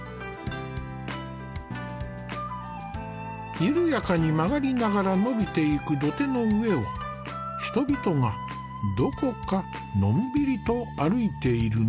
緩やかに曲がりながら伸びていく土手の上を人々がどこかのんびりと歩いているね。